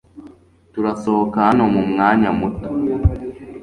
Turasohoka hano mumwanya muto.